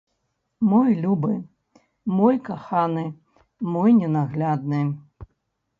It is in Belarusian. Мой любы, мой каханы, мой ненаглядны!